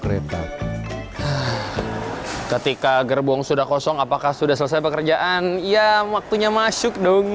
kereta ketika gerbong sudah kosong apakah sudah selesai pekerjaan ya waktunya masuk dong